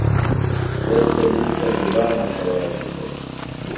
تس تھےۡ مِیشہ گُبا مشورہ دِتوۡ؟